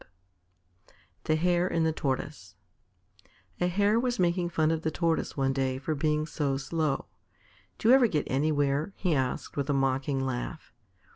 _ THE HARE AND THE TORTOISE A Hare was making fun of the Tortoise one day for being so slow. "Do you ever get anywhere?" he asked with a mocking laugh.